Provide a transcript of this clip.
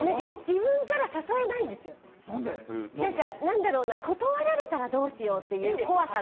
自分から誘えないんですよね、断られたらどうしようって。